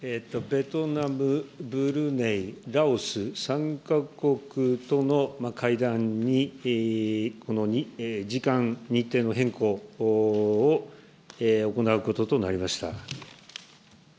ベトナム、ブルネイ、ラオス、３か国との会談に時間、日程の変更を行うこととなりました。